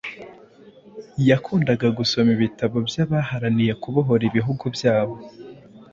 Yakundaga gusoma ibitabo by’abaharaniye kubohora ibihugu byabo